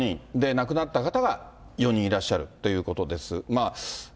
亡くなった方が４人いらっしゃるということです。